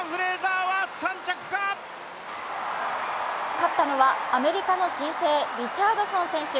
勝ったのはアメリカの新星、リチャードソン選手。